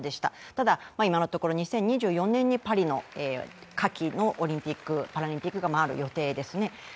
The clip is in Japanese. ただ、今のところ２０２４年にパリの夏季オリンピック・パラリンピックがある予定ですね。